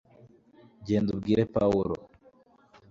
genda ubwire pawulo